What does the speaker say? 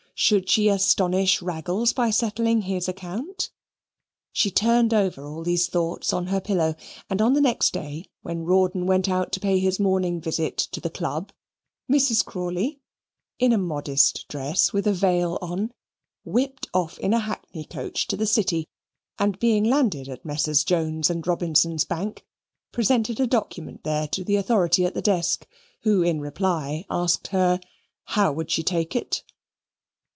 Should she astonish Raggles by settling his account? She turned over all these thoughts on her pillow, and on the next day, when Rawdon went out to pay his morning visit to the Club, Mrs. Crawley (in a modest dress with a veil on) whipped off in a hackney coach to the City: and being landed at Messrs. Jones and Robinson's bank, presented a document there to the authority at the desk, who, in reply, asked her "How she would take it?"